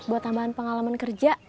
buat tambahan pengalaman kerja